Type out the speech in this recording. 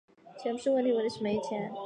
钱不是问题，问题就是没有钱